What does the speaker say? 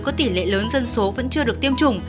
có tỷ lệ lớn dân số vẫn chưa được tiêm chủng